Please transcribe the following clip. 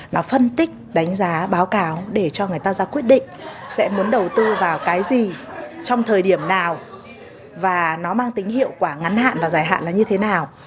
nó phân tích đánh giá báo cáo để cho người ta ra quyết định sẽ muốn đầu tư vào cái gì trong thời điểm nào và nó mang tính hiệu quả ngắn hạn và dài hạn là như thế nào